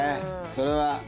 それは。